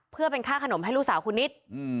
เพื่อเป็นค่าขนมให้ลูกสาวคุณนิด